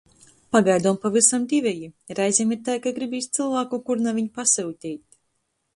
Pagaidom pavysam diveji... Reizem ir tai, ka gribīs cylvāku kur naviņ pasyuteit.